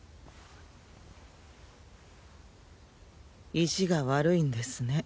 意地が悪いんですね。